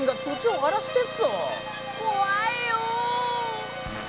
怖いよ！